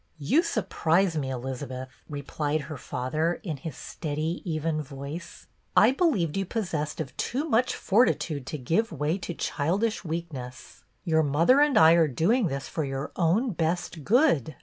"You surprise me, Elizabeth," replied her father, in his steady, even voice. " I believed BETTY HEARS GREAT NEWS ii you possessed of too much fortitude to give way to childish weakness. Your mother and I are doing this for your own best good."